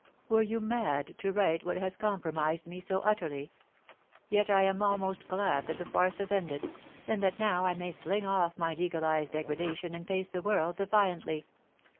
Were you mad to write what has compromised me so utterly ? Yet I am almost glad that the farce has ended, and that now I may fling off my legalised degradation and face the world defiantly.